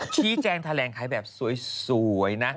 ชี้แจงทาแหลงคล้ายแบบสวยนะ